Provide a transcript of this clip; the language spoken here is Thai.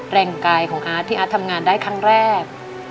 แรงกายของอาร์ตที่อาร์ตทำงานได้ครั้งแรก